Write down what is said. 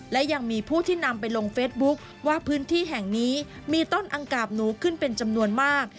และยังมีผู้ที่นำไปลงเฟซบุ๊คว่าพื้นที่แห่งนี้มีต้นอังกาบหนูขึ้นเป็นจำนวนมาก